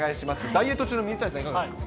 ダイエット中の水谷さん、いかがですか。